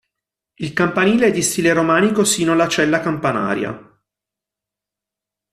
Il campanile è di stile romanico sino alla cella campanaria.